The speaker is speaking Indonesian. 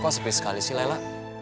kok sepi sekali sih laila